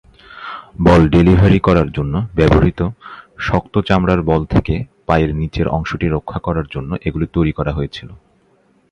বল delivery করার জন্য ব্যবহৃত শক্ত চামড়ার বল থেকে পায়ের নীচের অংশটি রক্ষা করার জন্য এগুলি তৈরি করা হয়েছিল।